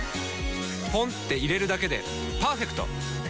ポンって入れるだけでパーフェクト！